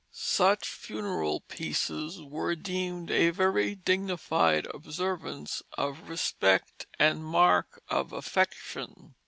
Such funeral pieces were deemed a very dignified observance of respect and mark of affection.